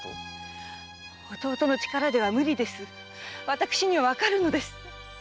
私にはわかるのです。